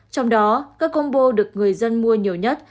trong đó cơ combo được người dân mua nhiều nhất